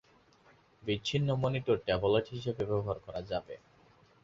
বিচ্ছিন্ন monitor tablet হিসেবে ব্যবহার করা যাবে।